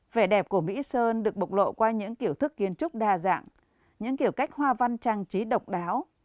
vẻ đẹp của mỹ sơn được bộc lộ qua những kiểu thức kiến trúc đa dạng những kiểu cách hoa văn trang trí độc đáo